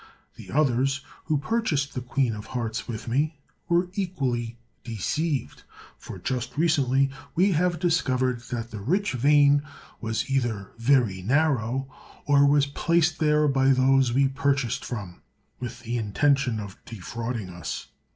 The others, who purchased the Queen of Hearts with me, were equally deceived, for just recently we have discovered that the rich vein was either very narrow or was placed there by those we purchased from, with the intention of defrauding us.